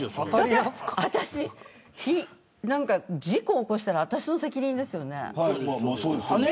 事故を起こしたら私の責任ですよね。